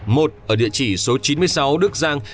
một ở địa chỉ số chín mươi sáu đức giang